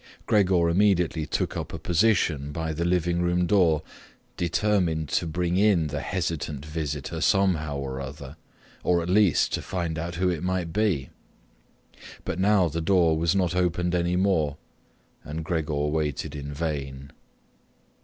Gregor immediately took up a position by the living room door, determined to bring in the hesitant visitor somehow or other or at least to find out who it might be. But now the door was not opened any more, and Gregor waited in vain.